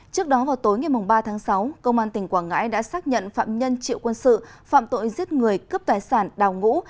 trước đó vào tối ngày ba tháng sáu công an tỉnh quảng ngãi đã xác nhận phạm nhân triệu quân sự phạm tội giết người cướp tài sản đào ngũ